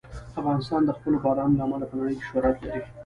افغانستان د خپلو بارانونو له امله په نړۍ کې شهرت لري.